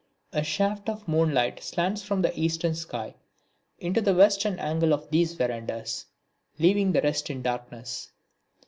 A shaft of moonlight slants from the eastern sky into the western angle of these verandahs, leaving the rest in darkness.